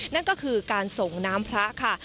นั่นก็คือการส่งน้ำพระค่ะ